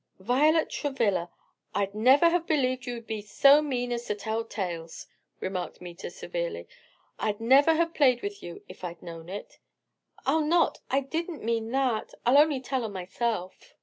"Violet Travilla, I'd never have believed you'd be so mean as to tell tales," remarked Meta, severely. "I'd never have played with you if I'd known it." "I'll not; I didn't mean that. I'll only tell on myself."